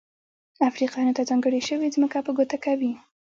افریقایانو ته ځانګړې شوې ځمکه په ګوته کوي.